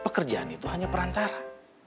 pekerjaan itu hanya perantara